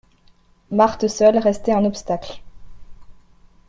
Marthe seule restait un obstacle.